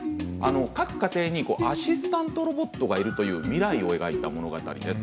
各家庭にアシスタントロボットがいるという未来を描いた物語です。